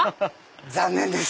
残念です。